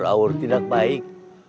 dikawal tidak baik